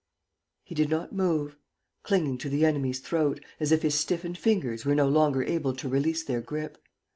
He did not move, clinging to the enemy's throat, as if his stiffened fingers were no longer able to release their grip.